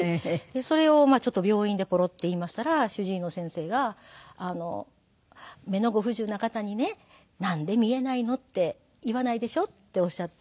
それを病院でポロッて言いましたら主治医の先生が「目のご不自由な方にね“なんで見えないの？”って言わないでしょ？」っておっしゃって。